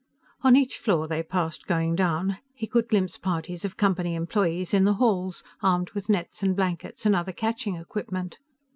On each floor they passed going down, he could glimpse parties of Company employees in the halls, armed with nets and blankets and other catching equipment.